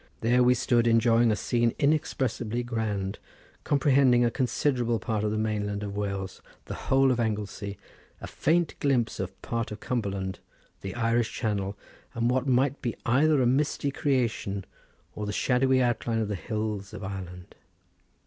There we stood enjoying a scene inexpressibly grand, comprehending a considerable part of the mainland of Wales, the whole of Anglesey, a faint glimpse of part of Cumberland; the Irish Channel, and what might be either a misty creation or the shadowy outlines of the hills of Ireland.